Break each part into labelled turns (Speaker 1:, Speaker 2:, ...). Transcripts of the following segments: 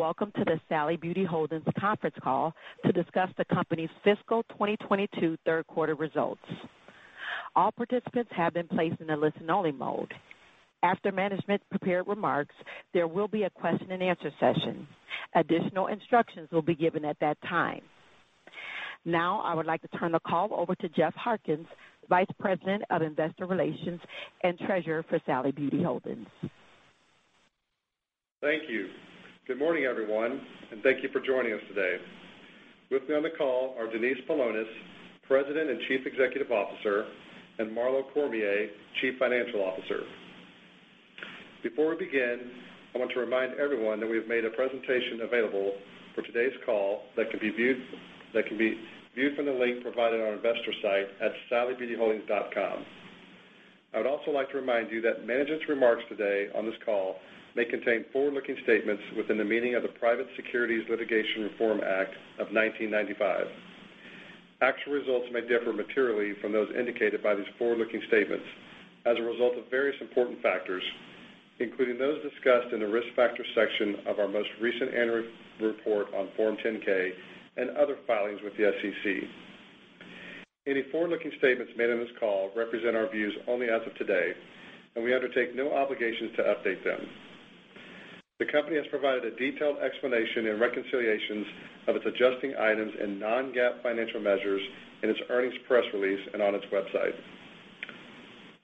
Speaker 1: Welcome to the Sally Beauty Holdings conference call to discuss the company's fiscal 2022 third quarter results. All participants have been placed in a listen-only mode. After management's prepared remarks, there will be a question and answer session. Additional instructions will be given at that time. Now I would like to turn the call over to Jeff Harkins, Vice President of Investor Relations and Treasurer for Sally Beauty Holdings.
Speaker 2: Thank you. Good morning, everyone, and thank you for joining us today. With me on the call are Denise Paulonis, President and Chief Executive Officer, and Marlo Cormier, Chief Financial Officer. Before we begin, I want to remind everyone that we have made a presentation available for today's call that can be viewed from the link provided on our investor site at sallybeautyholdings.com. I would also like to remind you that management's remarks today on this call may contain forward-looking statements within the meaning of the Private Securities Litigation Reform Act of 1995. Actual results may differ materially from those indicated by these forward-looking statements as a result of various important factors, including those discussed in the Risk Factors section of our most recent annual report on Form 10-K and other filings with the SEC. Any forward-looking statements made on this call represent our views only as of today, and we undertake no obligations to update them. The company has provided a detailed explanation and reconciliations of its adjusting items and non-GAAP financial measures in its earnings press release and on its website.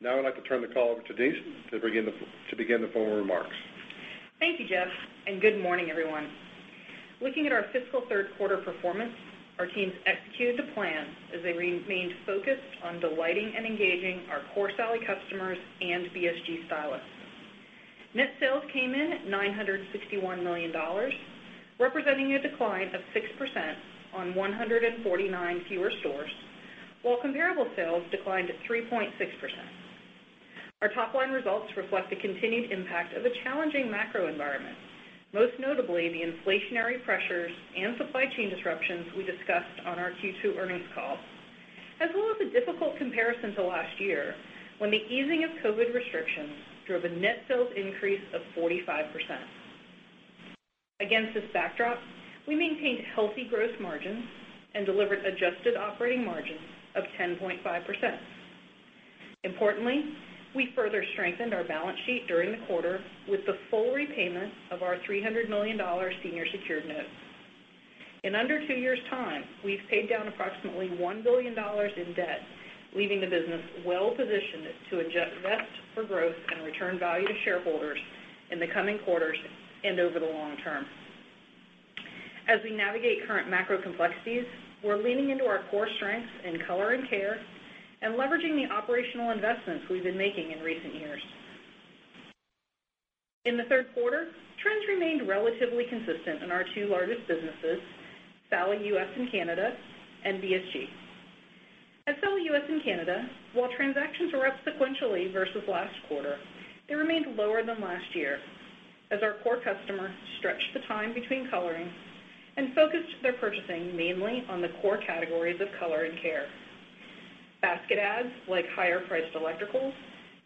Speaker 2: Now I'd like to turn the call over to Denise to begin the formal remarks.
Speaker 3: Thank you, Jeff, and good morning, everyone. Looking at our fiscal third quarter performance, our teams executed the plan as they remained focused on delighting and engaging our core Sally customers and BSG stylists. Net sales came in at $961 million, representing a decline of 6% on 149 fewer stores, while comparable sales declined 3.6%. Our top line results reflect the continued impact of a challenging macro environment, most notably the inflationary pressures and supply chain disruptions we discussed on our Q2 earnings call, as well as a difficult comparison to last year, when the easing of COVID restrictions drove a net sales increase of 45%. Against this backdrop, we maintained healthy growth margins and delivered adjusted operating margins of 10.5%. Importantly, we further strengthened our balance sheet during the quarter with the full repayment of our $300 million senior secured note. In under two years' time, we've paid down approximately $1 billion in debt, leaving the business well-positioned to invest for growth and return value to shareholders in the coming quarters and over the long term. As we navigate current macro complexities, we're leaning into our core strengths in color and care and leveraging the operational investments we've been making in recent years. In the third quarter, trends remained relatively consistent in our two largest businesses, Sally U.S. and Canada and BSG. At Sally U.S. and Canada, while transactions were up sequentially versus last quarter, they remained lower than last year as our core customer stretched the time between coloring and focused their purchasing mainly on the core categories of color and care. Basket adds, like higher-priced electricals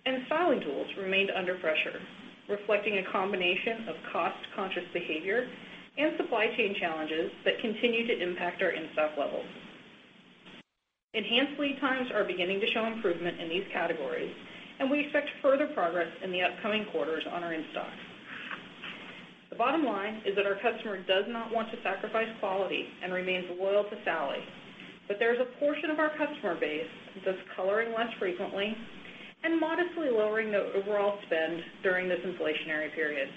Speaker 3: and styling tools, remained under pressure, reflecting a combination of cost-conscious behavior and supply chain challenges that continue to impact our in-stock levels. Enhanced lead times are beginning to show improvement in these categories, and we expect further progress in the upcoming quarters on our in-stock. The bottom line is that our customer does not want to sacrifice quality and remains loyal to Sally. There is a portion of our customer base that's coloring less frequently and modestly lowering the overall spend during this inflationary period.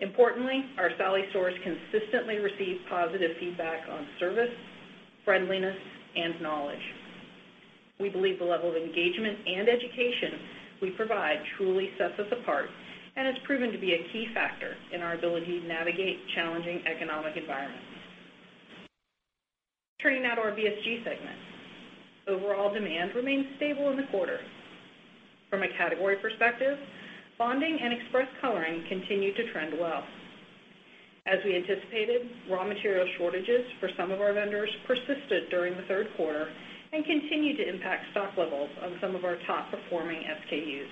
Speaker 3: Importantly, our Sally stores consistently receive positive feedback on service, friendliness, and knowledge. We believe the level of engagement and education we provide truly sets us apart, and has proven to be a key factor in our ability to navigate challenging economic environments. Turning now to our BSG segment. Overall demand remained stable in the quarter. From a category perspective, bonding and express coloring continued to trend well. As we anticipated, raw material shortages for some of our vendors persisted during the third quarter and continued to impact stock levels of some of our top performing SKUs.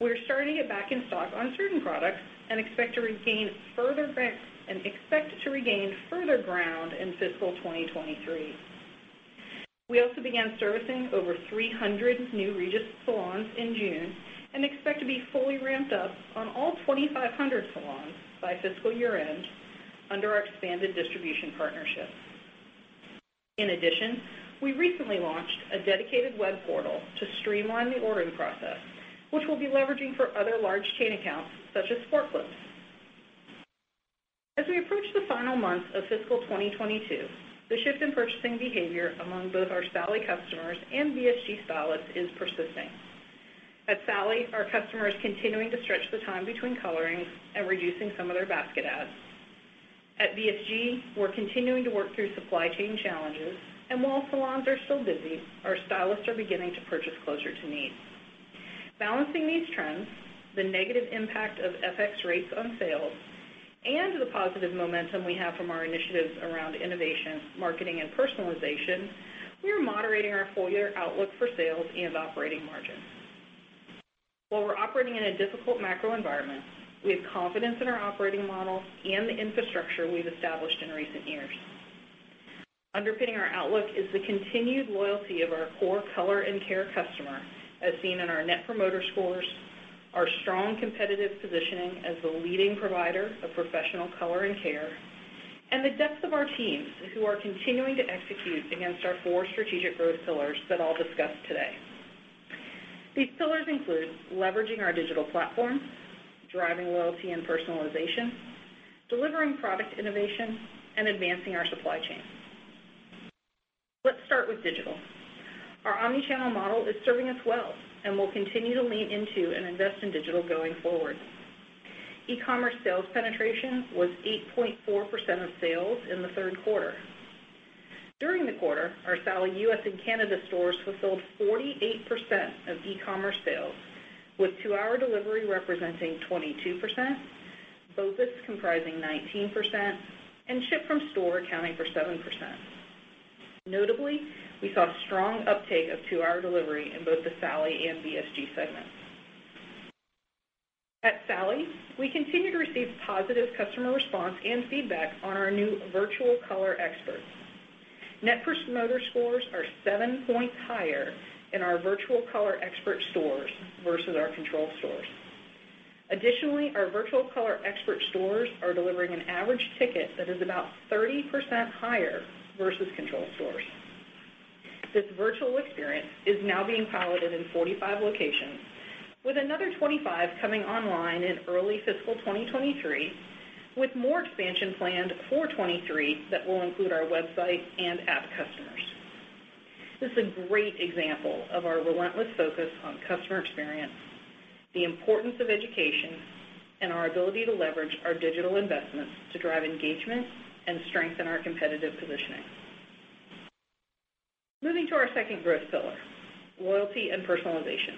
Speaker 3: We're starting to get back in stock on certain products and expect to regain further ground in fiscal 2023. We also began servicing over 300 new Regis salons in June and expect to be fully ramped up on all 2,500 salons by fiscal year-end under our expanded distribution partnership. In addition, we recently launched a dedicated web portal to streamline the ordering process, which we'll be leveraging for other large chain accounts such as Sport Clips. As we approach the final months of fiscal 2022, the shift in purchasing behavior among both our Sally customers and BSG stylists is persisting. At Sally, our customer is continuing to stretch the time between colorings and reducing some of their basket adds. At BSG, we're continuing to work through supply chain challenges, and while salons are still busy, our stylists are beginning to purchase closer to need. Balancing these trends, the negative impact of FX rates on sales and the positive momentum we have from our initiatives around innovation, marketing, and personalization, we are moderating our full year outlook for sales and operating margin. While we're operating in a difficult macro environment, we have confidence in our operating model and the infrastructure we've established in recent years. Underpinning our outlook is the continued loyalty of our core color and care customer, as seen in our Net Promoter Scores, our strong competitive positioning as the leading provider of professional color and care, and the depth of our teams who are continuing to execute against our four strategic growth pillars that I'll discuss today. These pillars include leveraging our digital platforms, driving loyalty and personalization, delivering product innovation, and advancing our supply chain. Let's start with digital. Our omni-channel model is serving us well and we'll continue to lean into and invest in digital going forward. E-commerce sales penetration was 8.4% of sales in the third quarter. During the quarter, our Sally U.S. and Canada stores fulfilled 48% of e-commerce sales, with two-hour delivery representing 22%, BOPIS comprising 19%, and ship from store accounting for 7%. Notably, we saw strong uptake of two-hour delivery in both the Sally and BSG segments. At Sally, we continue to receive positive customer response and feedback on our new virtual color experts. Net Promoter scores are 7 points higher in our virtual color expert stores versus our control stores. Additionally, our virtual color expert stores are delivering an average ticket that is about 30% higher versus control stores. This virtual experience is now being piloted in 45 locations, with another 25 coming online in early fiscal 2023, with more expansion planned for 2023 that will include our website and app customers. This is a great example of our relentless focus on customer experience, the importance of education, and our ability to leverage our digital investments to drive engagement and strengthen our competitive positioning. Moving to our second growth pillar, loyalty and personalization.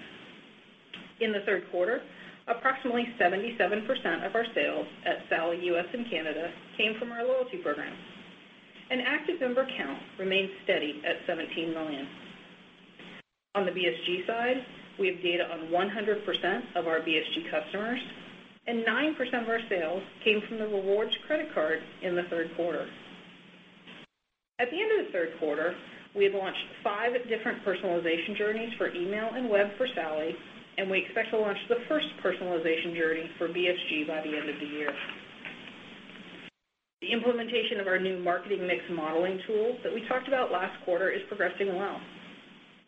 Speaker 3: In the third quarter, approximately 77% of our sales at Sally U.S. and Canada came from our loyalty program. An active member count remained steady at 17 million. On the BSG side, we have data on 100% of our BSG customers, and 9% of our sales came from the rewards credit card in the third quarter. At the end of the third quarter, we have launched five different personalization journeys for email and web for Sally, and we expect to launch the first personalization journey for BSG by the end of the year. The implementation of our new marketing mix modeling tool that we talked about last quarter is progressing well.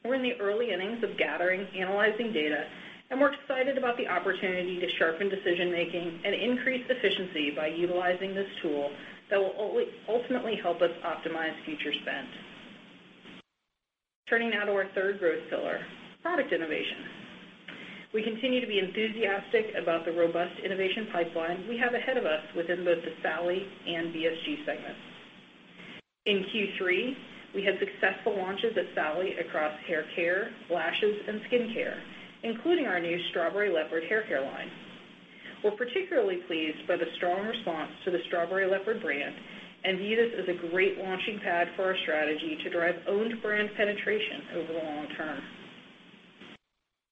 Speaker 3: We're in the early innings of gathering, analyzing data, and we're excited about the opportunity to sharpen decision-making and increase efficiency by utilizing this tool that will ultimately help us optimize future spend. Turning now to our third growth pillar, product innovation. We continue to be enthusiastic about the robust innovation pipeline we have ahead of us within both the Sally and BSG segments. In Q3, we had successful launches at Sally across hair care, lashes, and skincare, including our new Strawberry Leopard hair care line. We're particularly pleased by the strong response to the Strawberry Leopard brand and view this as a great launching pad for our strategy to drive owned brand penetration over the long term.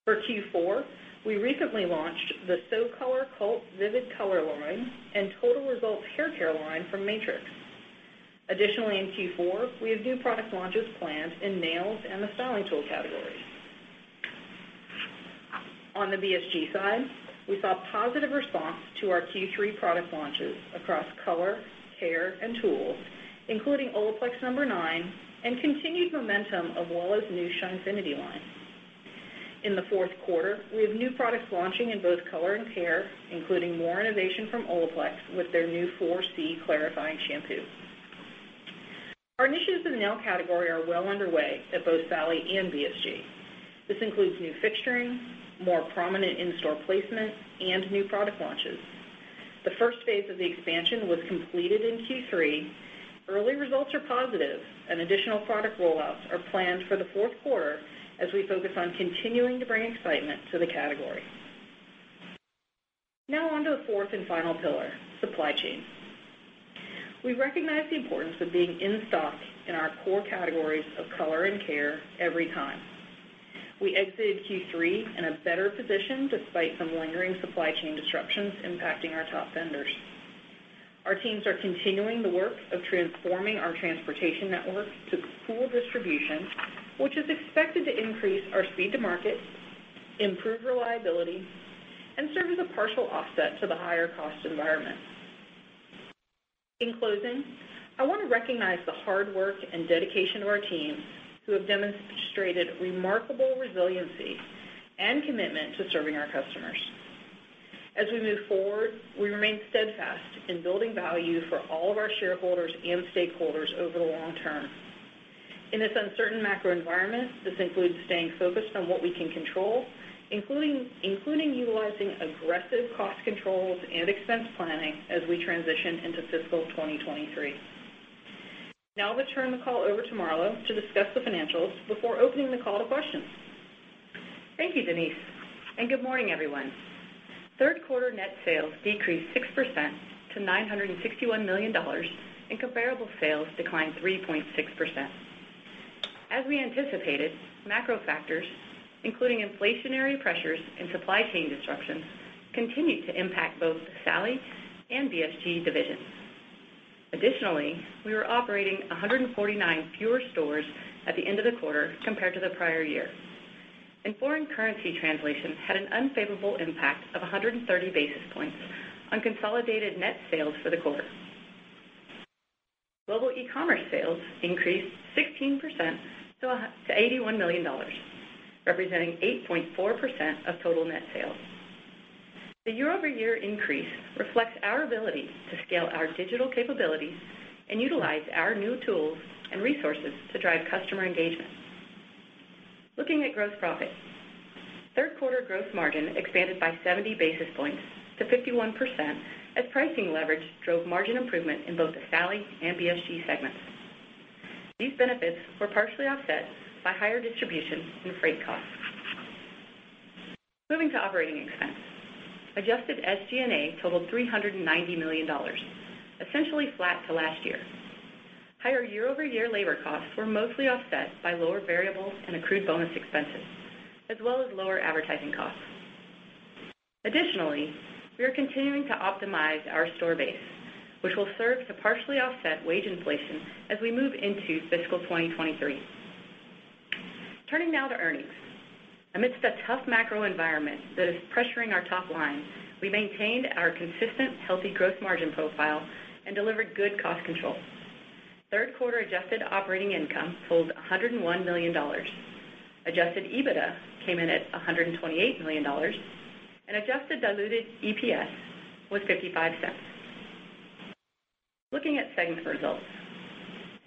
Speaker 3: For Q4, we recently launched the SoColor Cult vivid color line and Total Results hair care line from Matrix. Additionally, in Q4, we have new product launches planned in nails and the Sally tool categories. On the BSG side, we saw positive response to our Q3 product launches across color, care, and tools, including Olaplex No. 9 and continued momentum of Wella's new Shinefinity line. In the fourth quarter, we have new products launching in both color and care, including more innovation from Olaplex with their new 4C Clarifying Shampoo. Our initiatives in the nail category are well underway at both Sally and BSG. This includes new fixturing, more prominent in-store placement, and new product launches. The first phase of the expansion was completed in Q3. Early results are positive, and additional product rollouts are planned for the fourth quarter as we focus on continuing to bring excitement to the category. Now on to the fourth and final pillar, supply chain. We recognize the importance of being in stock in our core categories of color and care every time. We exited Q3 in a better position despite some lingering supply chain disruptions impacting our top vendors. Our teams are continuing the work of transforming our transportation network to pool distribution, which is expected to increase our speed to market, improve reliability, and serve as a partial offset to the higher cost environment. In closing, I want to recognize the hard work and dedication of our teams, who have demonstrated remarkable resiliency and commitment to serving our customers. As we move forward, we remain steadfast in building value for all of our shareholders and stakeholders over the long term. In this uncertain macro environment, this includes staying focused on what we can control, including utilizing aggressive cost controls and expense planning as we transition into fiscal 2023. Now I'll turn the call over to Marlo to discuss the financials before opening the call to questions.
Speaker 4: Thank you, Denise, and good morning, everyone. Third quarter net sales decreased 6% to $961 million, and comparable sales declined 3.6%. As we anticipated, macro factors including inflationary pressures and supply chain disruptions continued to impact both Sally and BSG divisions. Additionally, we were operating 149 fewer stores at the end of the quarter compared to the prior year. Foreign currency translation had an unfavorable impact of 130 basis points on consolidated net sales for the quarter. Global e-commerce sales increased 16% to $81 million, representing 8.4% of total net sales. The year-over-year increase reflects our ability to scale our digital capabilities and utilize our new tools and resources to drive customer engagement. Looking at gross profit. Third quarter gross margin expanded by 70 basis points to 51% as pricing leverage drove margin improvement in both the Sally and BSG segments. These benefits were partially offset by higher distribution and freight costs. Moving to operating expense. Adjusted SG&A totaled $390 million, essentially flat to last year. Higher year-over-year labor costs were mostly offset by lower variables and accrued bonus expenses, as well as lower advertising costs. Additionally, we are continuing to optimize our store base, which will serve to partially offset wage inflation as we move into fiscal 2023. Turning now to earnings. Amidst a tough macro environment that is pressuring our top line, we maintained our consistent healthy growth margin profile and delivered good cost control. Third quarter adjusted operating income totaled $101 million. Adjusted EBITDA came in at $128 million, and adjusted diluted EPS was $0.55. Looking at segment results.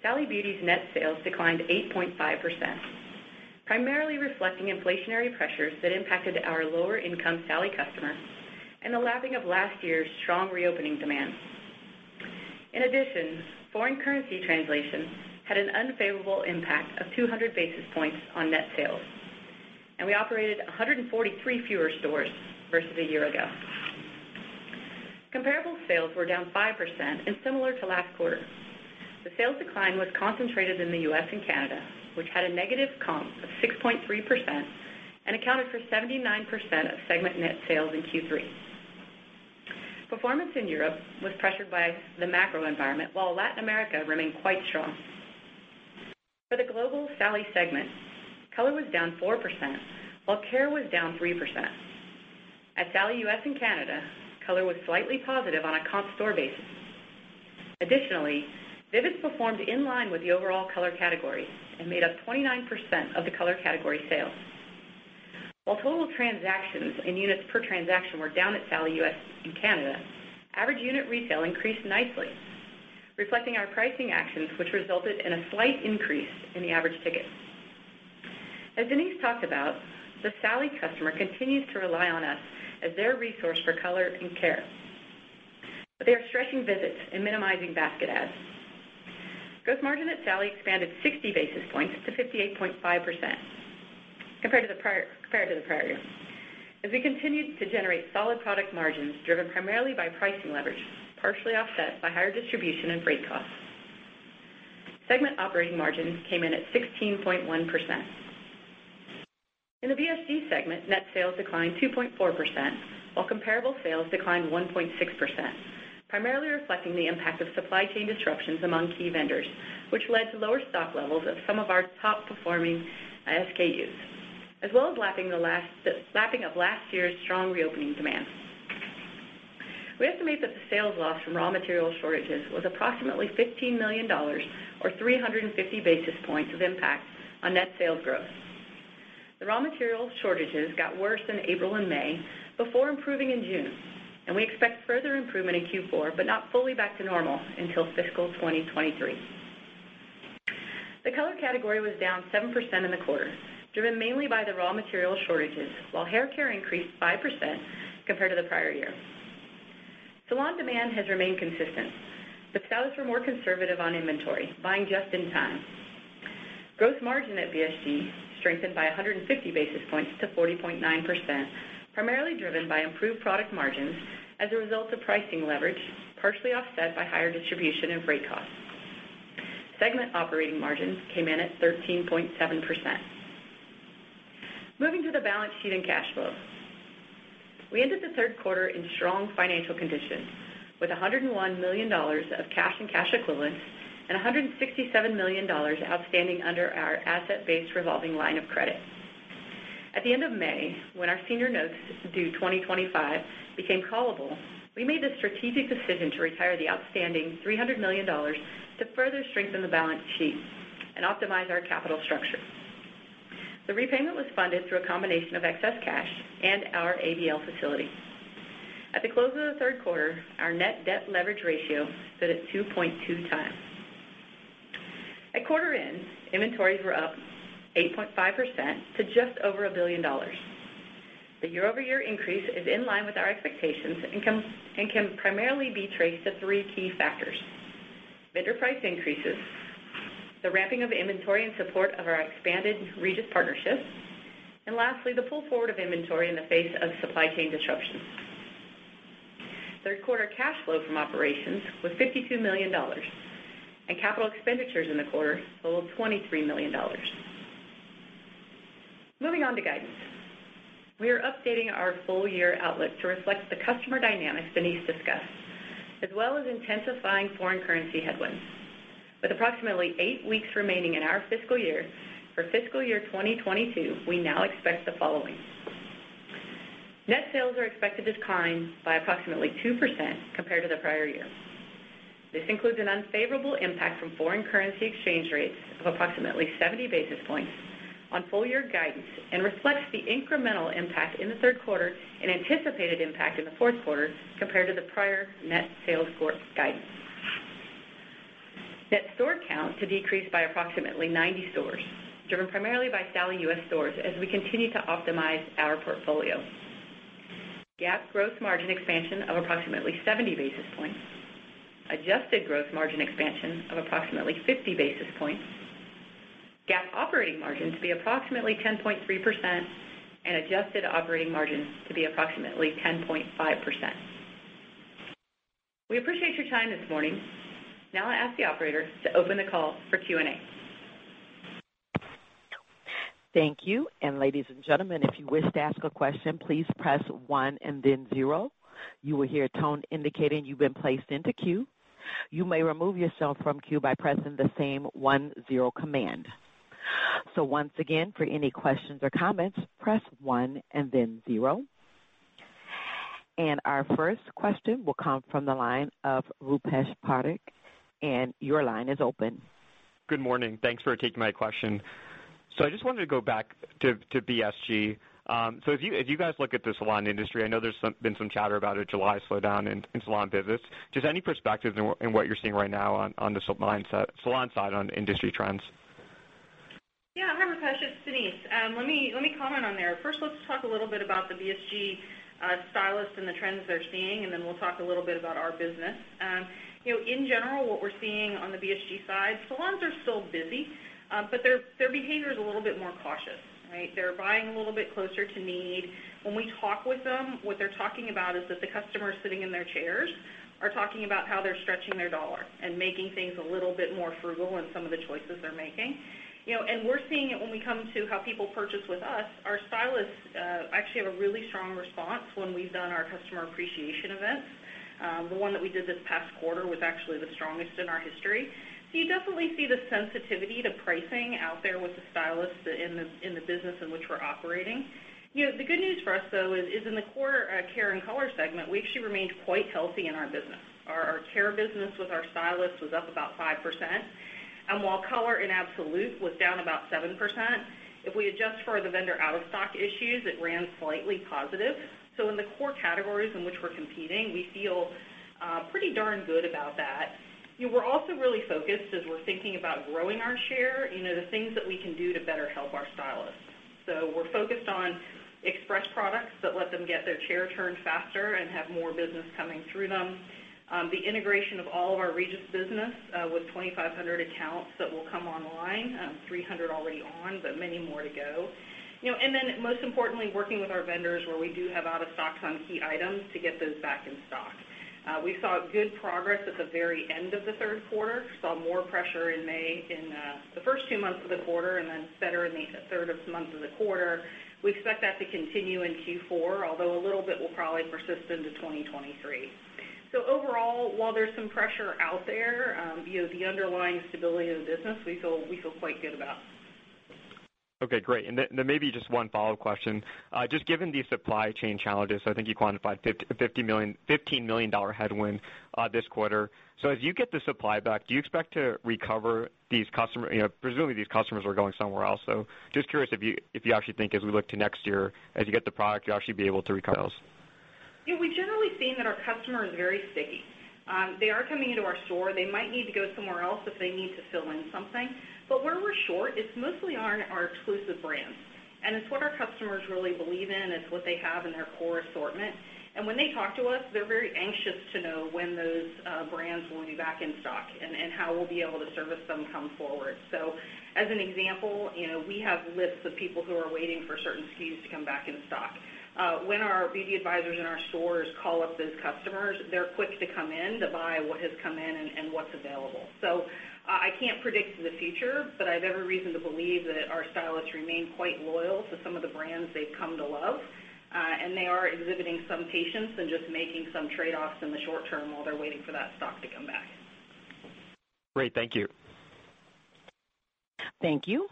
Speaker 4: Sally Beauty's net sales declined 8.5%, primarily reflecting inflationary pressures that impacted our lower-income Sally customer and the lapping of last year's strong reopening demand. In addition, foreign currency translation had an unfavorable impact of 200 basis points on net sales, and we operated 143 fewer stores versus a year ago. Comparable sales were down 5% and similar to last quarter. The sales decline was concentrated in the U.S. and Canada, which had a negative comp of 6.3% and accounted for 79% of segment net sales in Q3. Performance in Europe was pressured by the macro environment, while Latin America remained quite strong. For the global Sally segment, color was down 4%, while care was down 3%. At Sally U.S. and Canada, color was slightly positive on a comp store basis. Additionally, Vivids performed in line with the overall color category and made up 29% of the color category sales. While total transactions and units per transaction were down at Sally U.S. and Canada, average unit retail increased nicely, reflecting our pricing actions, which resulted in a slight increase in the average ticket. As Denise talked about, the Sally customer continues to rely on us as their resource for color and care, but they are stretching visits and minimizing basket adds. Gross margin at Sally expanded 60 basis points to 58.5% compared to the prior year, as we continued to generate solid product margins driven primarily by pricing leverage, partially offset by higher distribution and freight costs. Segment operating margin came in at 16.1%. In the BSG segment, net sales declined 2.4%, while comparable sales declined 1.6%, primarily reflecting the impact of supply chain disruptions among key vendors, which led to lower stock levels of some of our top-performing SKUs, as well as the lapping of last year's strong reopening demand. We estimate that the sales loss from raw material shortages was approximately $15 million or 350 basis points of impact on net sales growth. The raw material shortages got worse in April and May before improving in June, and we expect further improvement in Q4, but not fully back to normal until fiscal 2023. The color category was down 7% in the quarter, driven mainly by the raw material shortages, while hair care increased 5% compared to the prior year. Salon demand has remained consistent, but stylists were more conservative on inventory, buying just in time. Gross margin at BSG strengthened by 150 basis points to 40.9%, primarily driven by improved product margins as a result of pricing leverage, partially offset by higher distribution and freight costs. Segment operating margins came in at 13.7%. Moving to the balance sheet and cash flow. We ended the third quarter in strong financial condition with $101 million of cash and cash equivalents and $167 million outstanding under our asset-based revolving line of credit. At the end of May, when our senior notes due 2025 became callable, we made the strategic decision to retire the outstanding $300 million to further strengthen the balance sheet and optimize our capital structure. The repayment was funded through a combination of excess cash and our ABL facility. At the close of the third quarter, our net debt leverage ratio stood at 2.2x. At quarter end, inventories were up 8.5% to just over $1 billion. The year-over-year increase is in line with our expectations and can primarily be traced to three key factors: vendor price increases; the ramping of inventory in support of our expanded Regis partnership; and lastly, the pull forward of inventory in the face of supply chain disruptions. Third quarter cash flow from operations was $52 million, and capital expenditures in the quarter totaled $23 million. Moving on to guidance. We are updating our full year outlook to reflect the customer dynamics Denise discussed, as well as intensifying foreign currency headwinds. With approximately eight weeks remaining in our fiscal year, for fiscal year 2022, we now expect the following. Net sales are expected to decline by approximately 2% compared to the prior year. This includes an unfavorable impact from foreign currency exchange rates of approximately 70 basis points on full-year guidance and reflects the incremental impact in the third quarter and anticipated impact in the fourth quarter compared to the prior net sales growth guidance. Net store counts to decrease by approximately 90 stores, driven primarily by Sally U.S. stores as we continue to optimize our portfolio. GAAP gross margin expansion of approximately 70 basis points, adjusted gross margin expansion of approximately 50 basis points, GAAP operating margin to be approximately 10.3%, and adjusted operating margin to be approximately 10.5%. We appreciate your time this morning. Now I ask the operator to open the call for Q&A.
Speaker 1: Thank you. Ladies and gentlemen, if you wish to ask a question, please press one and then zero. You will hear a tone indicating you've been placed into queue. You may remove yourself from queue by pressing the same one zero command. Once again, for any questions or comments, press one and then zero. Our first question will come from the line of Rupesh Parikh, and your line is open.
Speaker 5: Good morning. Thanks for taking my question. I just wanted to go back to BSG. If you guys look at the salon industry, I know there's been some chatter about a July slowdown in salon visits. Just any perspective on what you're seeing right now on the salon side on industry trends?
Speaker 3: Yeah. Hi, Rupesh, it's Denise. Let me comment on that. First, let's talk a little bit about the BSG stylists and the trends they're seeing, and then we'll talk a little bit about our business. You know, in general, what we're seeing on the BSG side, salons are still busy, but their behavior is a little bit more cautious, right? They're buying a little bit closer to need. When we talk with them, what they're talking about is that the customers sitting in their chairs are talking about how they're stretching their dollar and making things a little bit more frugal in some of the choices they're making. You know, we're seeing it when it comes to how people purchase with us. Our stylists actually have a really strong response when we've done our customer appreciation events. The one that we did this past quarter was actually the strongest in our history. You definitely see the sensitivity to pricing out there with the stylists in the business in which we're operating. You know, the good news for us, though, is in the core care and color segment, we actually remained quite healthy in our business. Our care business with our stylists was up about 5%. While color in absolute was down about 7%, if we adjust for the vendor out-of-stock issues, it ran slightly positive. In the core categories in which we're competing, we feel pretty darn good about that. You know, we're also really focused as we're thinking about growing our share, you know, the things that we can do to better help our stylists. We're focused on express products that let them get their chair turned faster and have more business coming through them. The integration of all of our Regis business with 2,500 accounts that will come online, 300 already on, but many more to go. You know, most importantly, working with our vendors where we do have out-of-stocks on key items to get those back in stock. We saw good progress at the very end of the third quarter. Saw more pressure in May in the first two months of the quarter and then better in the third month of the quarter. We expect that to continue in Q4, although a little bit will probably persist into 2023. Overall, while there's some pressure out there, you know, the underlying stability of the business, we feel quite good about.
Speaker 5: Okay, great. Maybe just one follow-up question. Just given these supply chain challenges, so I think you quantified $15 million headwind this quarter. As you get the supply back, do you expect to recover these customers? You know, presumably these customers are going somewhere else. Just curious if you actually think as we look to next year, as you get the product, you'll actually be able to recover those.
Speaker 3: Yeah, we've generally seen that our customer is very sticky. They are coming into our store. They might need to go somewhere else if they need to fill in something. Where we're short, it's mostly on our exclusive brands and it's what our customers really believe in, and it's what they have in their core assortment. When they talk to us, they're very anxious to know when those brands will be back in stock and how we'll be able to service them come forward. As an example, you know, we have lists of people who are waiting for certain SKUs to come back in stock. When our beauty advisors in our stores call up those customers, they're quick to come in to buy what has come in and what's available. I can't predict the future, but I have every reason to believe that our stylists remain quite loyal to some of the brands they've come to love. They are exhibiting some patience and just making some trade-offs in the short term while they're waiting for that stock to come back.
Speaker 5: Great. Thank you.
Speaker 1: Thank you.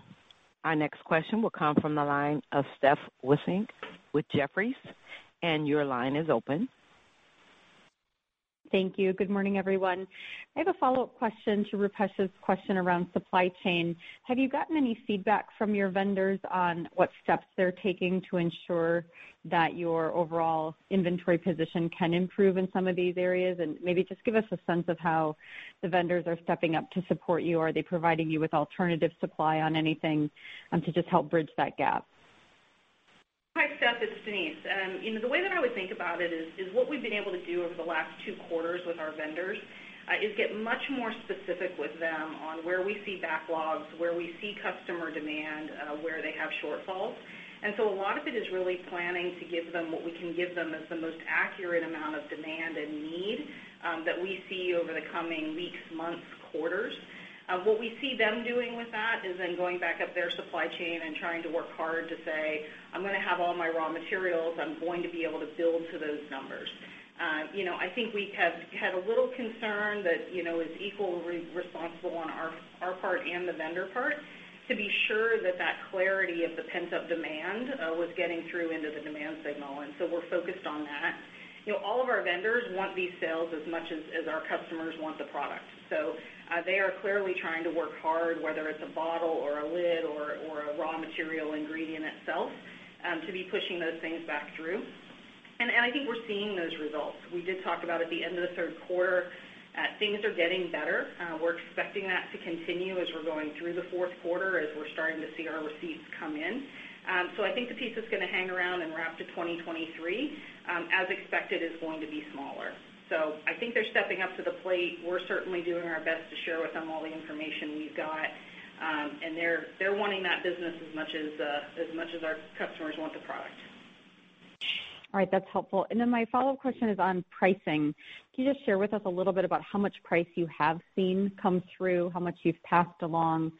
Speaker 1: Our next question will come from the line of Steph Wissink with Jefferies, and your line is open.
Speaker 6: Thank you. Good morning, everyone. I have a follow-up question to Rupesh's question around supply chain. Have you gotten any feedback from your vendors on what steps they're taking to ensure that your overall inventory position can improve in some of these areas? Maybe just give us a sense of how the vendors are stepping up to support you. Are they providing you with alternative supply on anything, to just help bridge that gap?
Speaker 3: Hi, Steph, it's Denise. You know, the way that I would think about it is what we've been able to do over the last two quarters with our vendors is get much more specific with them on where we see backlogs, where we see customer demand, where they have shortfalls. A lot of it is really planning to give them what we can give them as the most accurate amount of demand and need that we see over the coming weeks, months, quarters. What we see them doing with that is then going back up their supply chain and trying to work hard to say, "I'm gonna have all my raw materials. I'm going to be able to build to those numbers." You know, I think we have had a little concern that, you know, is equally responsible on our part and the vendor part to be sure that clarity of the pent-up demand was getting through into the demand signal, and so we're focused on that. You know, all of our vendors want these sales as much as our customers want the product. So, they are clearly trying to work hard, whether it's a bottle or a lid or a raw material ingredient itself, to be pushing those things back through. I think we're seeing those results. We did talk about at the end of the third quarter, things are getting better. We're expecting that to continue as we're going through the fourth quarter, as we're starting to see our receipts come in. I think the piece that's gonna hang around and wrap to 2023. As expected, is going to be smaller. I think they're stepping up to the plate. We're certainly doing our best to share with them all the information we've got. They're wanting that business as much as our customers want the product.
Speaker 6: All right, that's helpful. My follow-up question is on pricing. Can you just share with us a little bit about how much price you have seen come through? How much you've passed along?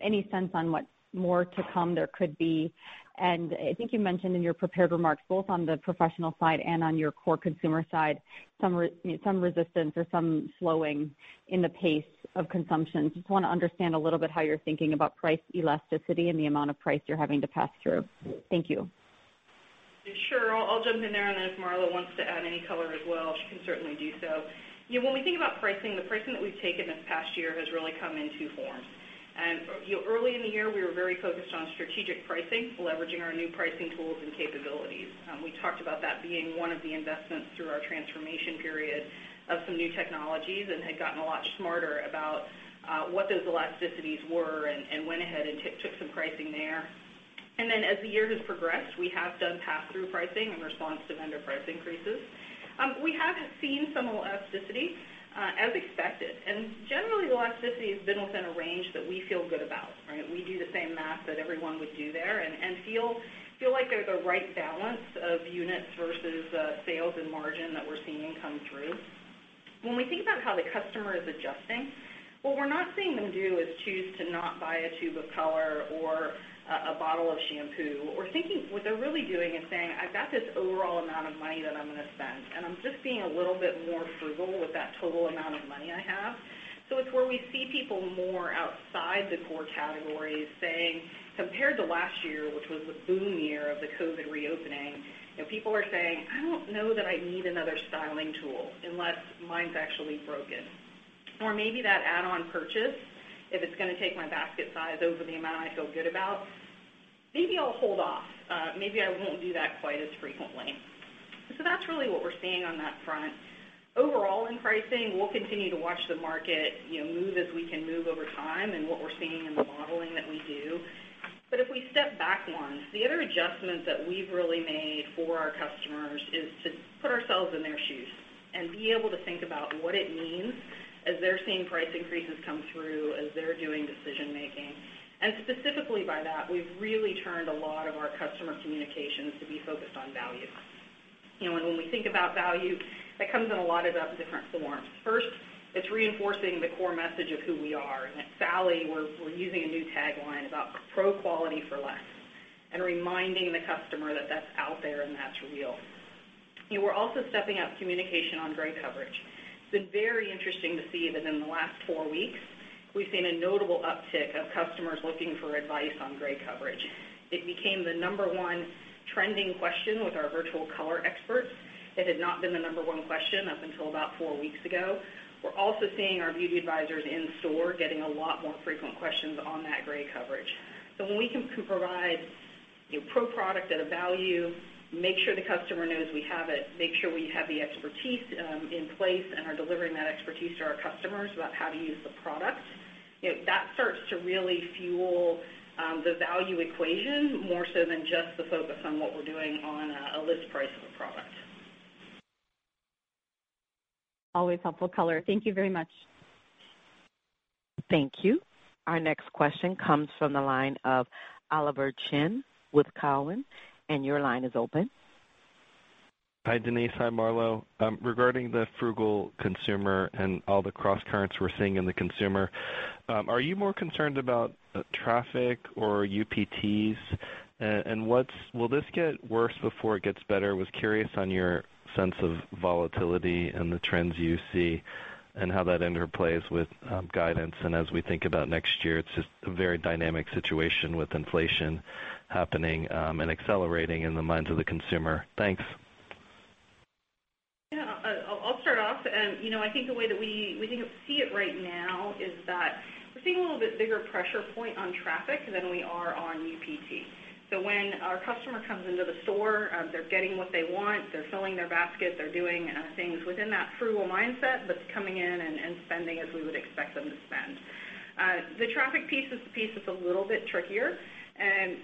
Speaker 6: Any sense on what more to come there could be? I think you mentioned in your prepared remarks, both on the professional side and on your core consumer side, some resistance or some slowing in the pace of consumption. Just wanna understand a little bit how you're thinking about price elasticity and the amount of price you're having to pass through. Thank you.
Speaker 3: Sure. I'll jump in there, and then if Marlo wants to add any color as well, she can certainly do so. Yeah, when we think about pricing, the pricing that we've taken this past year has really come in two forms. You know, early in the year, we were very focused on strategic pricing, leveraging our new pricing tools and capabilities. We talked about that being one of the investments through our transformation period of some new technologies and had gotten a lot smarter about what those elasticities were and went ahead and took some pricing there. Then as the year has progressed, we have done pass-through pricing in response to vendor price increases. We haven't seen some elasticity as expected, and generally, elasticity has been within a range that we feel good about, right? We do the same math that everyone would do there and feel like there's a right balance of units versus sales and margin that we're seeing come through. When we think about how the customer is adjusting, what we're not seeing them do is choose to not buy a tube of color or a bottle of shampoo. We're thinking what they're really doing is saying, "I've got this overall amount of money that I'm gonna spend, and I'm just being a little bit more frugal with that total amount of money I have." It's where we see people more outside the core categories saying, compared to last year, which was the boom year of the COVID reopening, you know, people are saying, "I don't know that I need another styling tool unless mine's actually broken. Maybe that add-on purchase, if it's gonna take my basket size over the amount I feel good about, maybe I'll hold off. Maybe I won't do that quite as frequently." That's really what we're seeing on that front. Overall, in pricing, we'll continue to watch the market, you know, move as we can move over time and what we're seeing in the modeling that we do. If we step back one, the other adjustment that we've really made for our customers is to put ourselves in their shoes and be able to think about what it means as they're seeing price increases come through, as they're doing decision-making. Specifically by that, we've really turned a lot of our customer communications to be focused on value. You know, when we think about value, that comes in a lot of different forms. First, it's reinforcing the core message of who we are. At Sally, we're using a new tagline about pro quality for less and reminding the customer that that's out there and that's real. You know, we're also stepping up communication on gray coverage. It's been very interesting to see that in the last four weeks, we've seen a notable uptick of customers looking for advice on gray coverage. It became the number one trending question with our virtual color experts. It had not been the number one question up until about four weeks ago. We're also seeing our beauty advisors in store getting a lot more frequent questions on that gray coverage. When we can provide, you know, pro product at a value, make sure the customer knows we have it, make sure we have the expertise in place and are delivering that expertise to our customers about how to use the product, you know, that starts to really fuel the value equation more so than just the focus on what we're doing on a list price of a product.
Speaker 6: Always helpful color. Thank you very much.
Speaker 1: Thank you. Our next question comes from the line of Oliver Chen with Cowen, and your line is open.
Speaker 7: Hi, Denise. Hi, Marlo. Regarding the frugal consumer and all the crosscurrents we're seeing in the consumer, are you more concerned about traffic or UPTs? Will this get worse before it gets better? I was curious on your sense of volatility and the trends you see and how that interplays with guidance. As we think about next year, it's just a very dynamic situation with inflation happening and accelerating in the minds of the consumer. Thanks.
Speaker 3: Yeah. I'll start off. You know, I think the way that we can see it right now is that we're seeing a little bit bigger pressure point on traffic than we are on UPT. When our customer comes into the store, they're getting what they want, they're filling their basket, they're doing things within that frugal mindset, but coming in and spending as we would expect them to spend. The traffic piece is the piece that's a little bit trickier.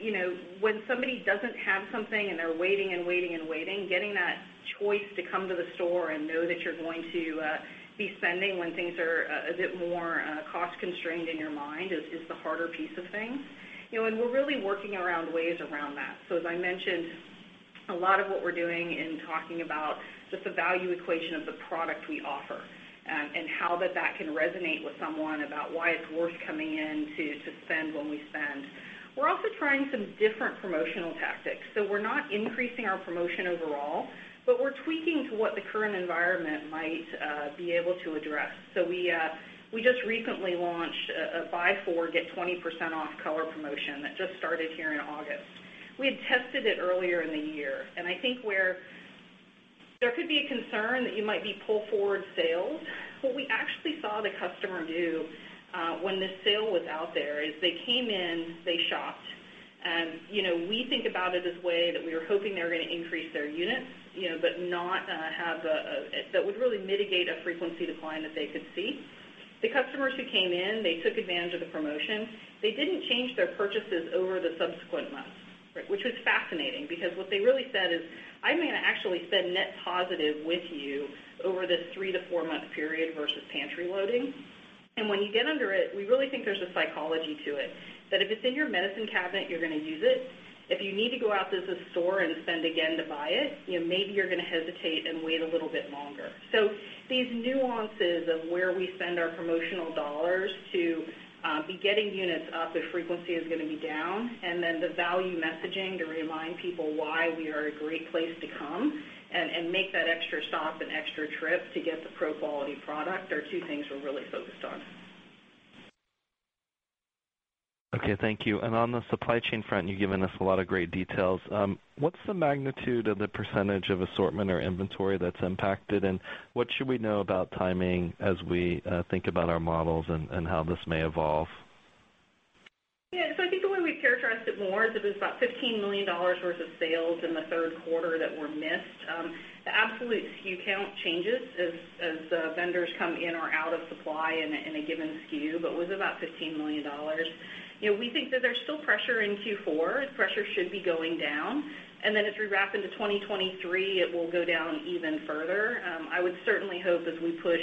Speaker 3: You know, when somebody doesn't have something, and they're waiting and waiting and waiting, getting that choice to come to the store and know that you're going to be spending when things are a bit more cost-constrained in your mind is the harder piece of things. You know, we're really working around ways around that. As I mentioned, a lot of what we're doing in talking about just the value equation of the product we offer and how that can resonate with someone about why it's worth coming in to spend when we spend. We're also trying some different promotional tactics. We're not increasing our promotion overall, but we're tweaking to what the current environment might be able to address. We just recently launched a buy four, get 20% off color promotion that just started here in August. We had tested it earlier in the year, and I think where there could be a concern that you might be pull forward sales. What we actually saw the customer do, when this sale was out there, is they came in, they shopped. You know, we think about it this way, that we were hoping they were gonna increase their units, you know, but not have that would really mitigate a frequency decline that they could see. The customers who came in, they took advantage of the promotion. They didn't change their purchases over the subsequent months, right? Which was fascinating because what they really said is, "I'm gonna actually spend net positive with you over this three to four-month period versus pantry loading." When you get under it, we really think there's a psychology to it that if it's in your medicine cabinet, you're gonna use it. If you need to go out to the store and spend again to buy it, you know, maybe you're gonna hesitate and wait a little bit longer. These nuances of where we spend our promotional dollars to be getting units up if frequency is gonna be down, and then the value messaging to remind people why we are a great place to come and make that extra stop, an extra trip to get the pro quality product are two things we're really focused on.
Speaker 7: Okay. Thank you. On the supply chain front, you've given us a lot of great details. What's the magnitude of the percentage of assortment or inventory that's impacted, and what should we know about timing as we think about our models and how this may evolve?
Speaker 3: Yeah. I think the way we've characterized it more is it was about $15 million worth of sales in the third quarter that were missed. The absolute SKU count changes as vendors come in or out of supply in a given SKU, but was about $15 million. You know, we think that there's still pressure in Q4. Pressure should be going down. As we wrap into 2023, it will go down even further. I would certainly hope as we push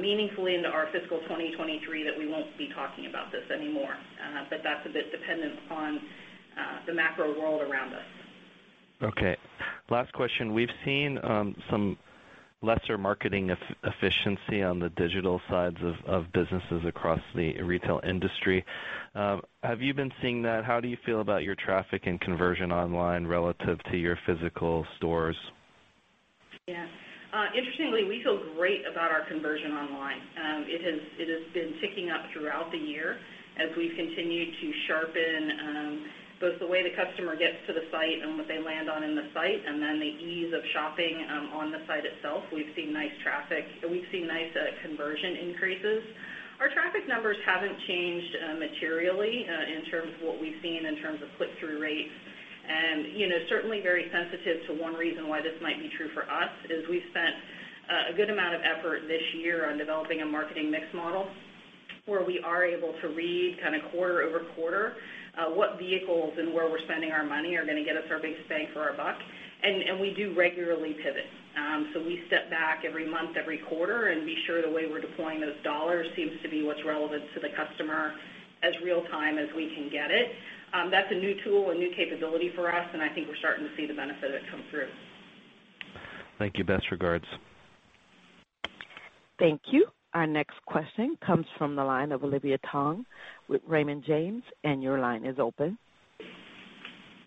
Speaker 3: meaningfully into our fiscal 2023 that we won't be talking about this anymore. That's a bit dependent on the macro world around us.
Speaker 7: Okay. Last question. We've seen some lesser marketing efficiency on the digital sides of businesses across the retail industry. Have you been seeing that? How do you feel about your traffic and conversion online relative to your physical stores?
Speaker 3: Yeah. Interestingly, we feel great about our conversion online. It has been ticking up throughout the year as we've continued to sharpen both the way the customer gets to the site and what they land on in the site and then the ease of shopping on the site itself. We've seen nice conversion increases. Our traffic numbers haven't changed materially in terms of what we've seen in terms of click-through rates. You know, certainly very sensitive to one reason why this might be true for us, is we've spent a good amount of effort this year on developing a marketing mix model where we are able to read kinda quarter-over-quarter what vehicles and where we're spending our money are gonna get us our base paying for our buck. We do regularly pivot. We step back every month, every quarter, and be sure the way we're deploying those dollars seems to be what's relevant to the customer as real time as we can get it. That's a new tool, a new capability for us, and I think we're starting to see the benefit of it come through.
Speaker 7: Thank you. Best regards.
Speaker 1: Thank you. Our next question comes from the line of Olivia Tong with Raymond James, and your line is open.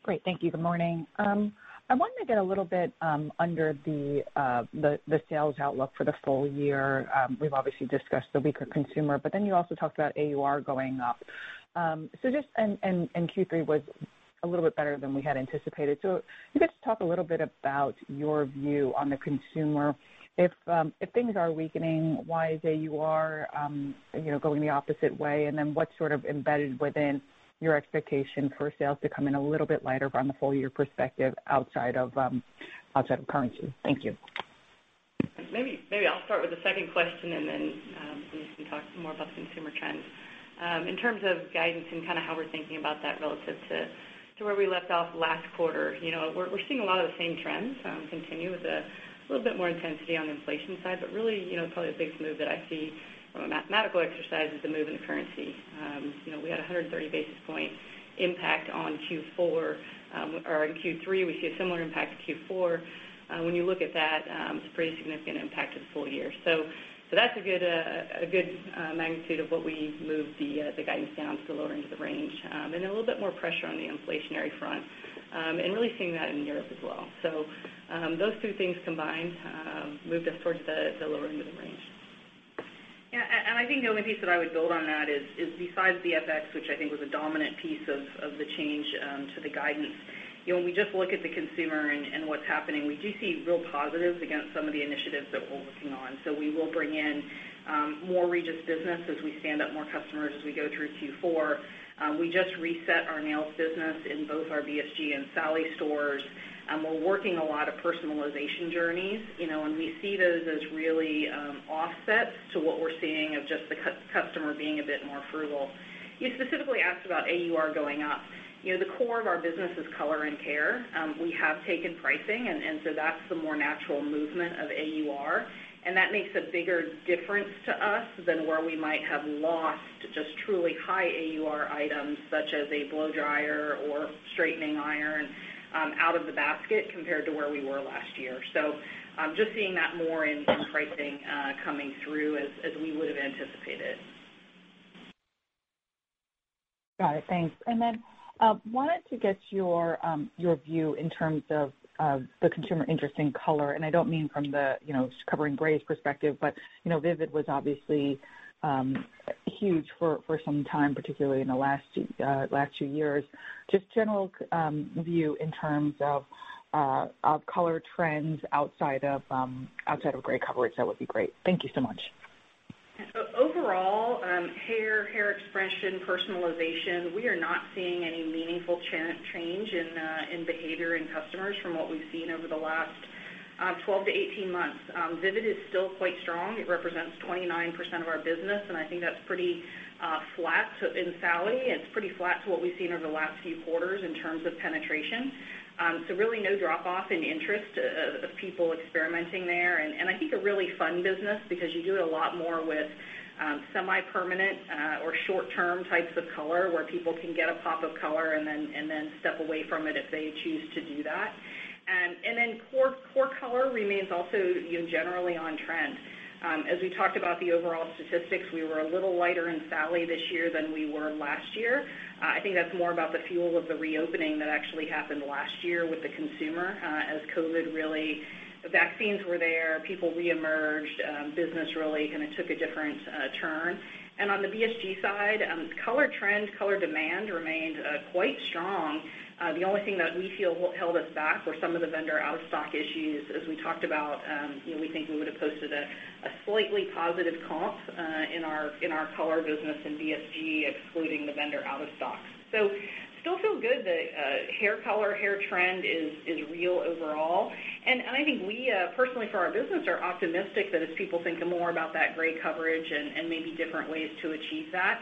Speaker 8: Great. Thank you. Good morning. I wanted to get a little bit under the sales outlook for the full year. We've obviously discussed the weaker consumer, but then you also talked about AUR going up. Q3 was a little bit better than we had anticipated. Can you guys just talk a little bit about your view on the consumer? If things are weakening, why is AUR you know, going the opposite way? Then what's sort of embedded within your expectation for sales to come in a little bit lighter on the full year perspective outside of currency? Thank you.
Speaker 4: Maybe I'll start with the second question, and then we can talk some more about the consumer trends. In terms of guidance and kind of how we're thinking about that relative to where we left off last quarter, you know, we're seeing a lot of the same trends continue with a little bit more intensity on the inflation side. Really, you know, probably the biggest move that I see from a mathematical exercise is the move in the currency. You know, we had 130 basis point impact on Q4 or in Q3. We see a similar impact to Q4. When you look at that, it's a pretty significant impact to the full year. That's a good magnitude of what we moved the guidance down to the lower end of the range. A little bit more pressure on the inflationary front, and really seeing that in Europe as well. Those two things combined moved us towards the lower end of the range.
Speaker 3: I think the only piece that I would build on that is besides the FX, which I think was a dominant piece of the change to the guidance. You know, when we just look at the consumer and what's happening, we do see real positives against some of the initiatives that we're working on. We will bring in more Regis business as we stand up more customers as we go through Q4. We just reset our nails business in both our BSG and Sally stores, and we're working a lot of personalization journeys. You know, we see those as really offsets to what we're seeing of just the customer being a bit more frugal. You specifically asked about AUR going up. You know, the core of our business is color and care. We have taken pricing, and so that's the more natural movement of AUR. That makes a bigger difference to us than where we might have lost just truly high AUR items such as a blow dryer or straightening iron out of the basket compared to where we were last year. Just seeing that more in pricing coming through as we would've anticipated.
Speaker 8: Got it. Thanks. Wanted to get your view in terms of the consumer interest in color, and I don't mean from the, you know, covering grays perspective, but, you know, vivid was obviously huge for some time, particularly in the last two years. Just general view in terms of color trends outside of gray coverage, that would be great. Thank you so much.
Speaker 3: Overall, hair expression, personalization, we are not seeing any meaningful change in behavior in customers from what we've seen over the last 12-8 months. Vivid is still quite strong. It represents 29% of our business, and I think that's pretty flat. In Sally, it's pretty flat to what we've seen over the last few quarters in terms of penetration. Really no drop-off in interest of people experimenting there. I think a really fun business because you do it a lot more with semi-permanent or short-term types of color where people can get a pop of color and then step away from it if they choose to do that. Core color remains also, you know, generally on trend. As we talked about the overall statistics, we were a little lighter in Sally this year than we were last year. I think that's more about the fuel of the reopening that actually happened last year with the consumer, as COVID really. The vaccines were there, people reemerged, business really kinda took a different turn. On the BSG side, color trend, color demand remained quite strong. The only thing that we feel held us back were some of the vendor out-of-stock issues. As we talked about, you know, we think we would've posted a slightly positive comp in our color business in BSG, excluding the vendor out-of-stocks. Still feel good that hair color, hair trend is real overall. I think we personally for our business are optimistic that as people think more about that gray coverage and maybe different ways to achieve that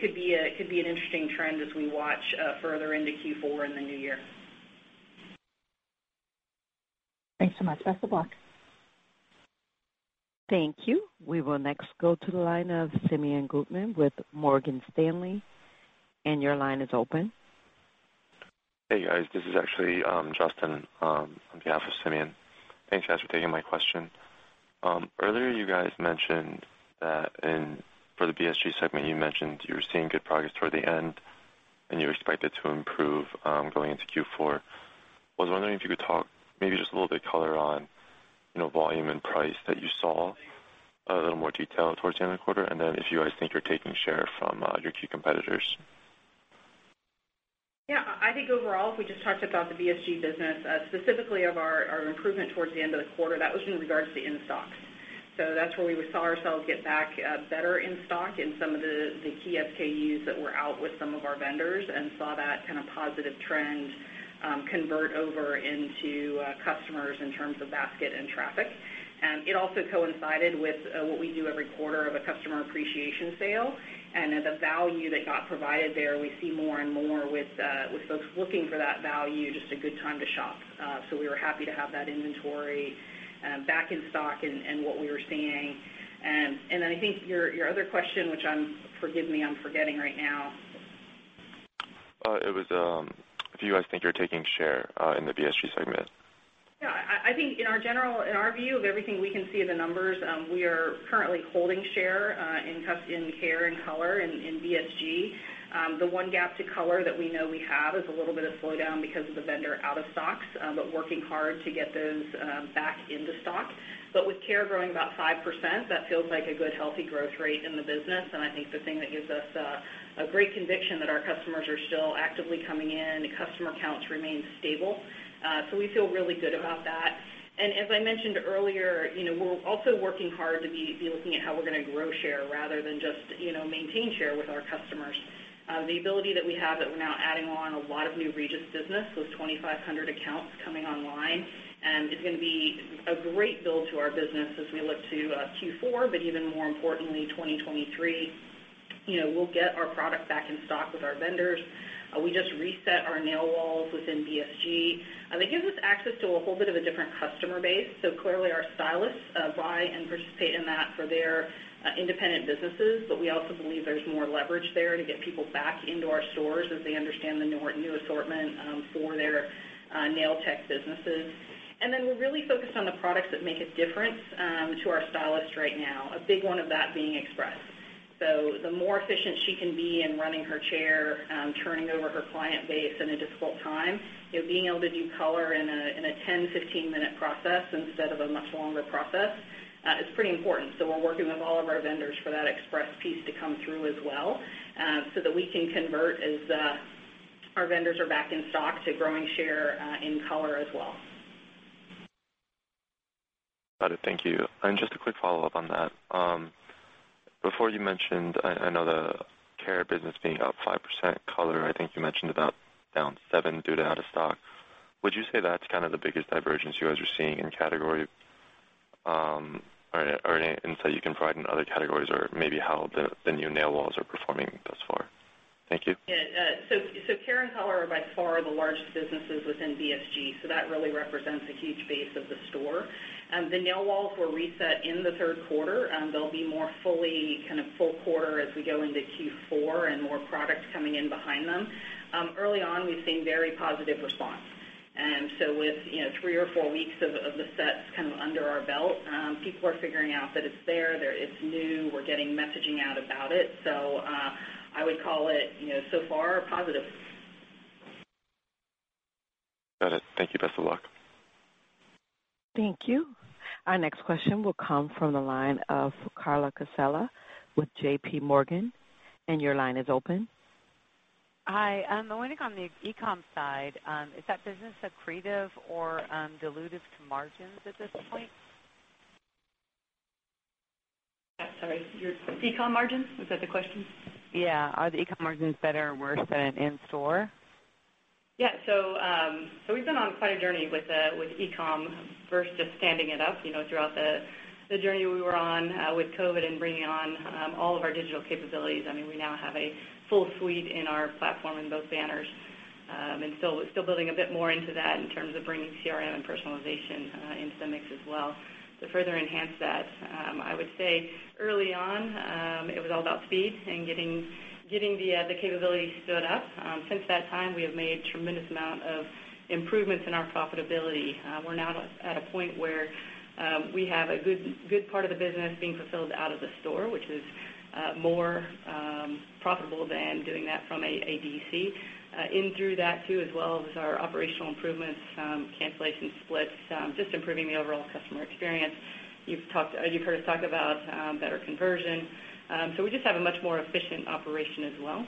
Speaker 3: could be an interesting trend as we watch further into Q4 in the new year.
Speaker 8: Thanks so much. Best of luck.
Speaker 1: Thank you. We will next go to the line of Simeon Gutman with Morgan Stanley. Your line is open.
Speaker 9: Hey, guys. This is actually Justin on behalf of Simeon. Thanks, guys, for taking my question. Earlier you guys mentioned that for the BSG segment, you mentioned you were seeing good progress toward the end and you expect it to improve going into Q4. I was wondering if you could talk maybe just a little bit color on, you know, volume and price that you saw, a little more detail towards the end of the quarter, and then if you guys think you're taking share from your key competitors.
Speaker 3: Yeah. I think overall, if we just talked about the BSG business, specifically of our improvement towards the end of the quarter, that was in regards to in-stocks. That's where we saw ourselves get back, better in stock in some of the key SKUs that were out with some of our vendors and saw that kind of positive trend convert over into customers in terms of basket and traffic. It also coincided with what we do every quarter of a customer appreciation sale. The value that got provided there, we see more and more with folks looking for that value, just a good time to shop. We were happy to have that inventory back in stock and what we were seeing. I think your other question, which I'm- Forgive me, I'm forgetting right now.
Speaker 9: It was if you guys think you're taking share in the BSG segment.
Speaker 3: Yeah. I think in our view of everything we can see in the numbers, we are currently holding share in hair and color in BSG. The one gap to color that we know we have is a little bit of slowdown because of the vendor out-of-stocks, but working hard to get those back into stock. With care growing about 5%, that feels like a good, healthy growth rate in the business, and I think the thing that gives us a great conviction that our customers are still actively coming in, customer counts remain stable. So we feel really good about that. As I mentioned earlier, you know, we're also working hard to be looking at how we're gonna grow share rather than just, you know, maintain share with our customers. The ability that we have that we're now adding on a lot of new Regis business, those 2,500 accounts coming online, is gonna be a great build to our business as we look to Q4, but even more importantly, 2023. You know, we'll get our product back in stock with our vendors. We just reset our nail walls within BSG. That gives us access to a whole bit of a different customer base, so clearly our stylists buy and participate in that for their independent businesses. We also believe there's more leverage there to get people back into our stores as they understand the new assortment for their nail tech businesses. We're really focused on the products that make a difference to our stylists right now, a big one of that being express. The more efficient she can be in running her chair, turning over her client base in a difficult time, you know, being able to do color in a 10, 15-minute process instead of a much longer process is pretty important. We're working with all of our vendors for that express piece to come through as well, so that we can convert, as our vendors are back in stock, to growing share in color as well.
Speaker 9: Got it. Thank you. Just a quick follow-up on that. Before you mentioned, I know the care business being up 5%, color, I think you mentioned about down 7% due to out-of-stock. Would you say that's kind of the biggest divergence you guys are seeing in category? Or any insight you can provide in other categories or maybe how the new nail walls are performing thus far? Thank you.
Speaker 3: Yeah. Care and color are by far the largest businesses within BSG, so that really represents a huge base of the store. The nail walls were reset in the third quarter. They'll be more fully kind of full quarter as we go into Q4 and more products coming in behind them. Early on, we've seen very positive response. With, you know, three or four weeks of the sets kind of under our belt, people are figuring out that it's there. It's new. We're getting messaging out about it. I would call it, you know, so far positive.
Speaker 9: Got it. Thank you. Best of luck.
Speaker 1: Thank you. Our next question will come from the line of Carla Casella with JPMorgan. Your line is open.
Speaker 10: Hi. I'm wondering on the e-com side, is that business accretive or dilutive to margins at this point?
Speaker 4: Sorry. Your e-com margins, was that the question?
Speaker 10: Yeah. Are the e-com margins better or worse than in store?
Speaker 4: We've been on quite a journey with e-com versus just standing it up throughout the journey we were on with COVID and bringing on all of our digital capabilities. I mean, we now have a full suite in our platform in both banners, and still building a bit more into that in terms of bringing CRM and personalization into the mix as well. To further enhance that, I would say, early on, it was all about speed and getting the capability stood up. Since that time, we have made tremendous amount of improvements in our profitability. We're now at a point where we have a good part of the business being fulfilled out of the store, which is more profitable than doing that from a DC. And through that, too, as well as our operational improvements, cancellation splits, just improving the overall customer experience. You've heard us talk about better conversion. We just have a much more efficient operation as well.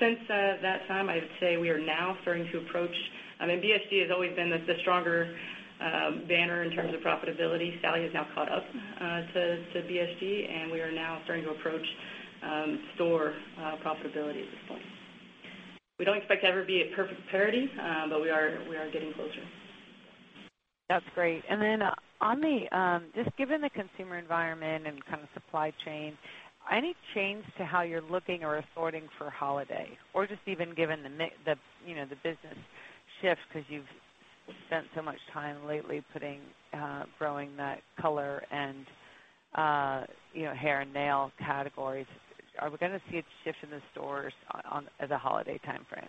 Speaker 4: Since that time, I'd say we are now starting to approach- I mean, BSG has always been the stronger banner in terms of profitability. Sally has now caught up to BSG, and we are now starting to approach store profitability at this point. We don't expect to ever be at perfect parity, but we are getting closer.
Speaker 10: That's great. On the just given the consumer environment and kind of supply chain, any change to how you're looking or assorting for holiday? Or just even given the, you know, the business shift because you've spent so much time lately putting, growing that color and, you know, hair and nail categories? Are we gonna see a shift in the stores as a holiday timeframe?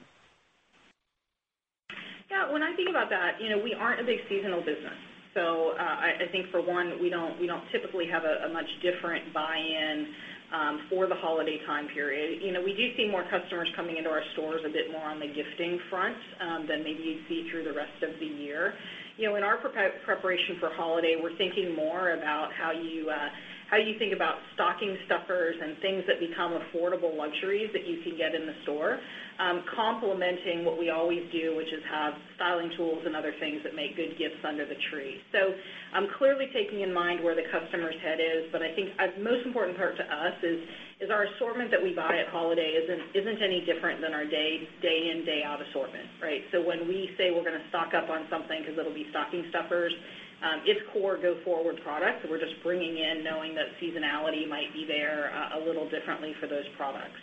Speaker 3: Yeah. When I think about that, you know, we aren't a big seasonal business. I think for one, we don't typically have a much different buy-in for the holiday time period. You know, we do see more customers coming into our stores a bit more on the gifting front than maybe you'd see through the rest of the year. You know, in our preparation for holiday, we're thinking more about how you think about stocking stuffers and things that become affordable luxuries that you can get in the store, complementing what we always do, which is have styling tools and other things that make good gifts under the tree. I'm clearly taking in mind where the customer's head is. But I think the most important part to us is our assortment that we buy at holiday isn't any different than our day in, day out assortment, right? When we say we're gonna stock up on something because it'll be stocking stuffers, it's core go forward product. We're just bringing in knowing that seasonality might be there a little differently for those products.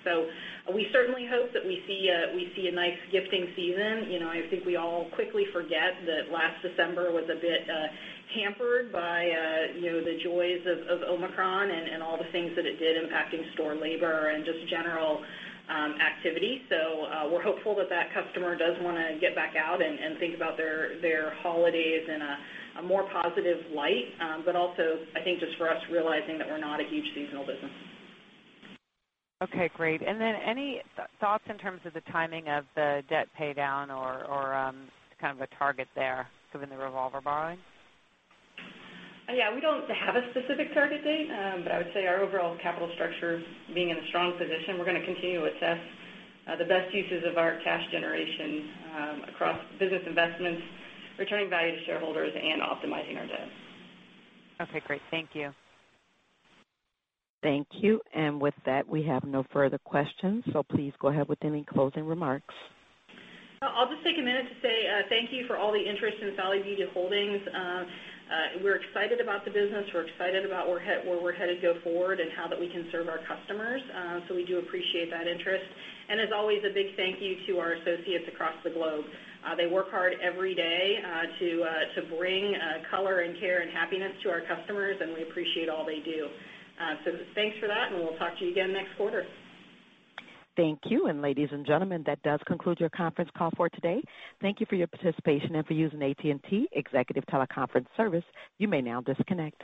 Speaker 3: We certainly hope that we see a nice gifting season. You know, I think we all quickly forget that last December was a bit hampered by, you know, the joys of Omicron and all the things that it did impacting store labor and just general activity. We're hopeful that customer does wanna get back out and think about their holidays in a more positive light. Also, I think just for us realizing that we're not a huge seasonal business.
Speaker 10: Okay, great. Any thoughts in terms of the timing of the debt paydown or kind of a target there given the revolver borrowing?
Speaker 4: Yeah. We don't have a specific target date. I would say our overall capital structure being in a strong position, we're gonna continue to assess the best uses of our cash generation across business investments, returning value to shareholders, and optimizing our debt.
Speaker 10: Okay, great. Thank you.
Speaker 1: Thank you. With that, we have no further questions, so please go ahead with any closing remarks.
Speaker 3: I'll just take a minute to say, thank you for all the interest in Sally Beauty Holdings. We're excited about the business. We're excited about where we're headed go forward and how that we can serve our customers. We do appreciate that interest. As always, a big thank you to our associates across the globe. They work hard every day to bring color and care and happiness to our customers, and we appreciate all they do. Thanks for that, and we'll talk to you again next quarter.
Speaker 1: Thank you. Ladies and gentlemen, that does conclude your conference call for today. Thank you for your participation and for using AT&T Executive Teleconference Service. You may now disconnect.